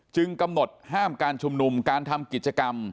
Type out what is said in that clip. กำหนดห้ามการชุมนุมการทำกิจกรรม